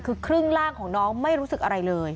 คือครึ่งล่างของน้องไม่รู้สึกอะไรเลย